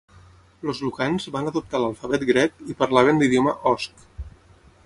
Els lucans van adoptar l'alfabet grec i parlaven l'idioma osc.